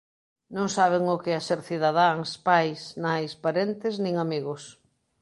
Non saben o que é ser cidadáns, pais, nais, parentes nin amigos.